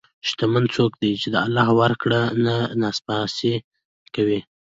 شتمن څوک دی چې د الله ورکړه نه ناسپاسي نه کوي.